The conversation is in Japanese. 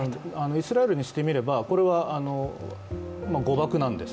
イスラエルにしてみればこれは誤爆なんです。